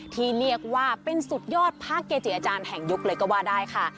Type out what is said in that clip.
ที่เรียกว่าเป็นสุดยอดพระเกจิอาจารย์แห่งยุคเลยก็ว่าได้ค่ะ